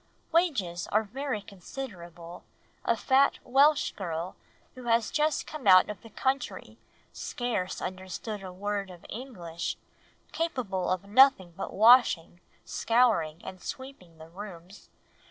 "Wages are very considerable ... a fat Welsh girl who has just come out of the country, scarce understood a word of English, capable of nothing but washing, scouring, and sweeping the rooms